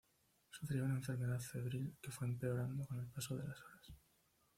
Sufría una enfermedad febril que fue empeorando con el paso de las horas.